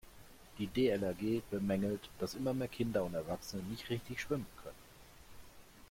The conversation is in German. Die DLRG bemängelt, dass immer mehr Kinder und Erwachsene nicht richtig schwimmen können.